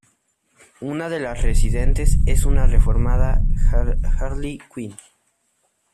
Una de las residentes es una reformada Harley Quinn.